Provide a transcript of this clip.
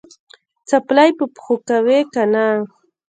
څپلۍ په پښو کوې که نه؟